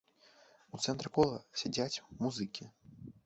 У цэнтры кола сядзяць музыкі.